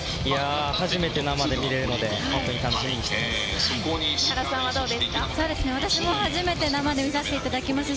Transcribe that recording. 初めて生で見れるので、本当に楽しみにしています。